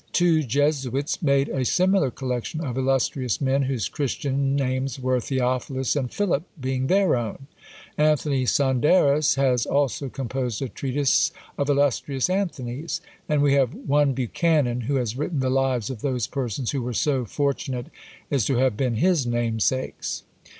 Two Jesuits made a similar collection of illustrious men whose Christian names were Theophilus and Philip, being their own. Anthony Saunderus has also composed a treatise of illustrious Anthonies! And we have one Buchanan, who has written the lives of those persons who were so fortunate as to have been his namesakes.